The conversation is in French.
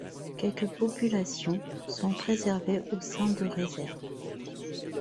Quelques populations sont préservées au sein de réserves.